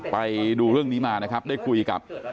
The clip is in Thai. ไปดูเรื่องนี้มานะครับได้คุยกับ